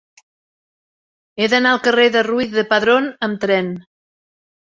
He d'anar al carrer de Ruiz de Padrón amb tren.